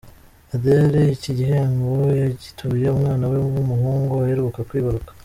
Adele iki gihembo yagituye umwana we w'umuhungu aheruka kwibaruka.